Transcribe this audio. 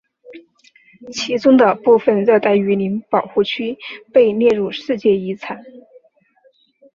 其中的部分热带雨林保护区被列入世界遗产。